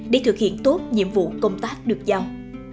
để thực hiện tốt nhiệm vụ công tác được giao